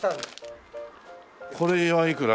これはいくら？